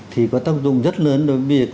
thì có tác dụng rất lớn đối với việc